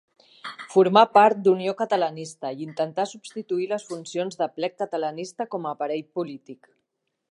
Formà part d'Unió Catalanista i intentà substituir les funcions d'Aplec Catalanista com a aparell polític.